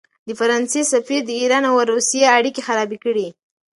د فرانسې سفیر د ایران او روسیې اړیکې خرابې کړې.